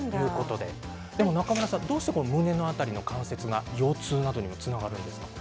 中村さん、どうして胸の辺りの関節が腰痛などにつながるんですか？